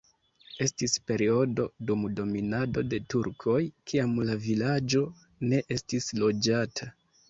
Estis periodo dum dominado de turkoj, kiam la vilaĝo ne estis loĝata.